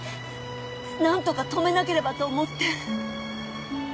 なんとか止めなければと思って。